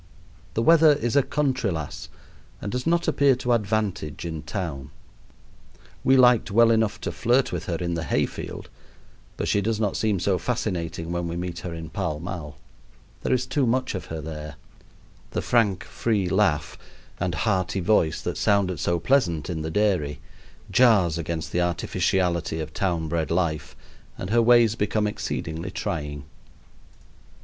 The weather is a country lass and does not appear to advantage in town. We liked well enough to flirt with her in the hay field, but she does not seem so fascinating when we meet her in Pall Mall. There is too much of her there. The frank, free laugh and hearty voice that sounded so pleasant in the dairy jars against the artificiality of town bred life, and her ways become exceedingly trying.